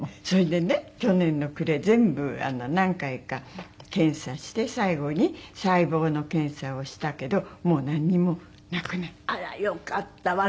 それでね去年の暮れ全部何回か検査して最後に細胞の検査をしたけどもうなんにもなくなった。